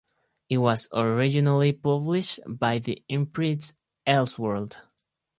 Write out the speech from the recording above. It was originally published by the imprint Elseworld.